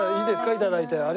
いただいて。